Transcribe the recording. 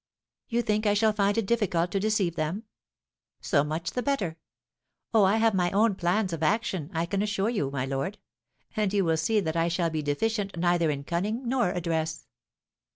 You think I shall find it difficult to deceive them? So much the better. Oh, I have my own plans of action, I can assure you, my lord; and you will see that I shall be deficient neither in cunning nor address."